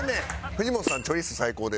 藤本さん「チョリーッス最高。」で。